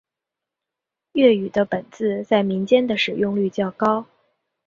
粤语的本字在民间的使用率较高。